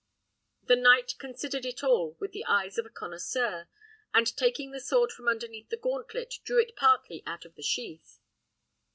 The knight considered it all with the eyes of a connoisseur, and taking the sword from underneath the gauntlet, drew it partly out of the sheath.